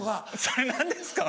それ何ですか？